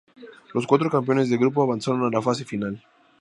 Los cuatro campeones de grupo avanzaron a la fase final.